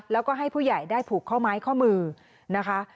แล้วก็ให้ผู้ใหญ่ได้ผูกข้อไม้ข้อมือนะคะ